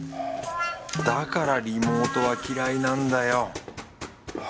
だからリモートは嫌いなんだよ